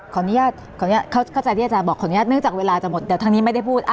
ขออนุญาตขออนุญาตเข้าใจที่อาจารย์บอกขออนุญาตเนื่องจากเวลาจะหมดเดี๋ยวทางนี้ไม่ได้พูด